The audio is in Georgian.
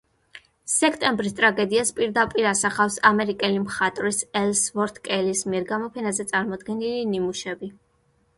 სექტემბრის ტრაგედიას პირდაპირ ასახავს ამერიკელი მხატვრის ელსვორთ კელის მიერ გამოფენაზე წარმოდგენილი ნიმუშები.